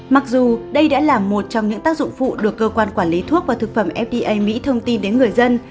mặc dù đây đã là một trong những tác dụng phụ được cơ quan quản lý thuốc và thực phẩm fda mỹ thông tin đến người dân